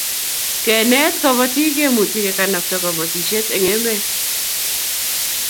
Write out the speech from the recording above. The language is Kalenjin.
Kenet kobotik kemuchi kekanabta kobotisiet eng emet